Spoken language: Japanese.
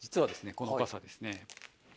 この傘ですね。